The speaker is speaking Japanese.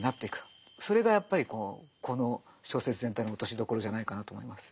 それがやっぱりこの小説全体の落としどころじゃないかなと思います。